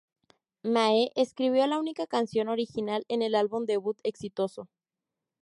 Mae escribió la única canción original en el álbum debut exitoso.